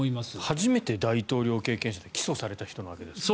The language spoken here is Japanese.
初めて大統領経験者で起訴されたわけですよね。